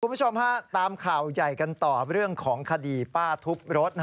คุณผู้ชมฮะตามข่าวใหญ่กันต่อเรื่องของคดีป้าทุบรถ